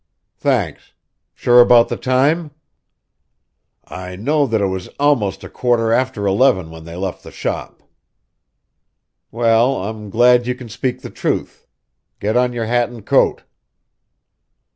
"Thanks. Sure about the time?" "I know that it was almost a quarter after eleven when they left the shop." "Well, I'm glad you can speak the truth. Get on your hat and coat!"